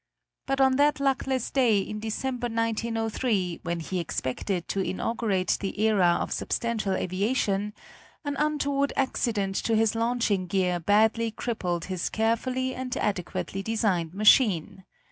But on that luckless day in December, 1903, when he expected to inaugurate the era of substantial aviation, an untoward accident to his launching gear badly crippled his carefully and adequately designed machine.